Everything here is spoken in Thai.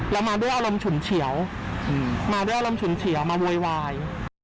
มาด้วยอารมณ์ฉุนเฉียวมาด้วยอารมณ์ฉุนเฉียวมาโวยวาย